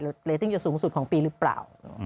เรตติ้งจะสูงสุดของปีหรือเปล่า